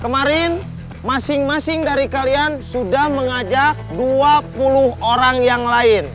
kemarin masing masing dari kalian sudah mengajak dua puluh orang yang lain